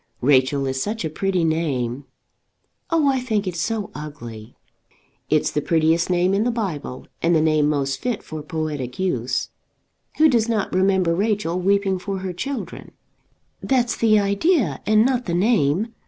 "Rachel is such a pretty name." "Oh, I think it so ugly." "It's the prettiest name in the Bible, and the name most fit for poetic use. Who does not remember Rachel weeping for her children?" "That's the idea, and not the name.